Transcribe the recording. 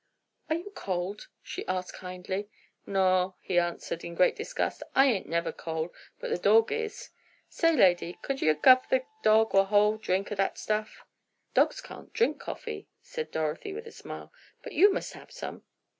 "Are you cold?" she asked, kindly. "Naw," he answered, in great disgust, "I ain't never cold, but the dawg is. Say, lady, could yer guv the dawg a hot drink o' dat stuff?" "Dogs can't drink coffee," said Dorothy with a smile, "but you must have some."